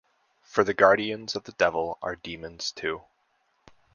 For the guardians of the devil are demons too.